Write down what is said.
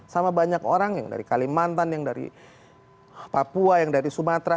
sama banyak orang yang dari kalimantan yang dari papua yang dari sumatera